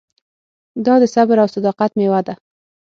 دا د صبر او صداقت مېوه ده.